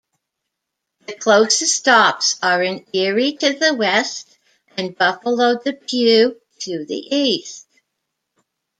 The closest stops are in Erie, to the west, and Buffalo-Depew, to the east.